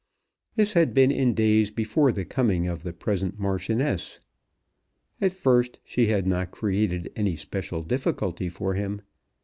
This had been in days before the coming of the present Marchioness. At first she had not created any special difficulty for him.